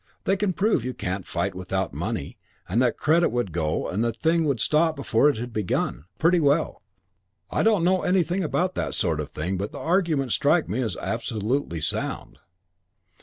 They prove you can't fight without money and that credit would go and the thing would stop before it had begun, pretty well. I don't know anything about that sort of thing, but the arguments strike me as absolutely sound."